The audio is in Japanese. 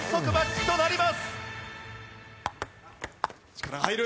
力が入る。